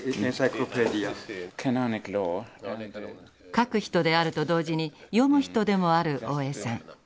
書く人であると同時に読む人でもある大江さん。